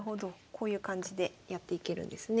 こういう感じでやっていけるんですね。